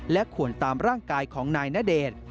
ขวนตามร่างกายของนายณเดชน์